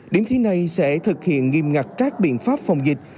điểm thi này sẽ thực hiện nghiêm ngặt các biện pháp phòng dịch